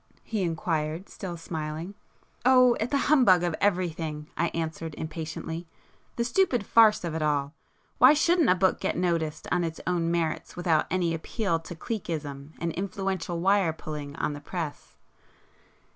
he inquired, still smiling. "Oh, at the humbug of everything,"—I answered impatiently; "The stupid farce of it all. Why shouldn't a book get noticed on its own merits without any appeal to cliquism and influential wire pulling on the press?"